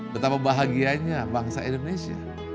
betapa bahagianya bangsa indonesia